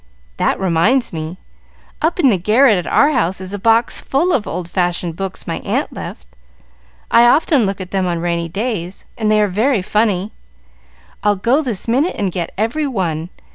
That reminds me! Up in the garret at our house is a box full of old fashion books my aunt left. I often look at them on rainy days, and they are very funny. I'll go this minute and get every one.